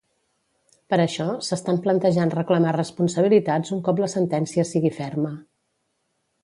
Per això, s'estan plantejant reclamar responsabilitats un cop la sentència sigui ferma.